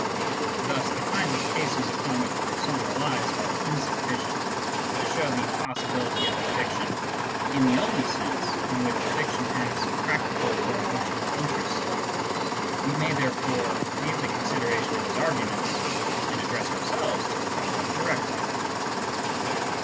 Thus the kinds of cases upon which Bergson relies are insufficient to show the impossibility of prediction in the only sense in which prediction has practical or emotional interest. We may therefore leave the consideration of his arguments and address ourselves to the problem directly.